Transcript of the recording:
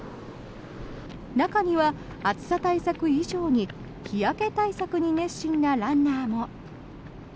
中には暑さ対策以上に日焼け対策に熱心なランナーも。